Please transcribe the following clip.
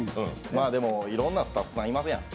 まあでもいろんなスタッフさん、いますやん。